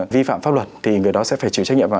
vi phạm pháp luật thì người đó sẽ phải chịu trách nhiệm vào